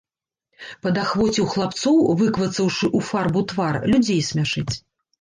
Падахвоціў хлапцоў, выквацаўшы ў фарбу твар, людзей смяшыць.